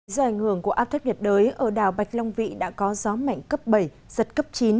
do ảnh hưởng của áp thấp nhiệt đới ở đảo bạch long vị đã có gió mạnh cấp bảy giật cấp chín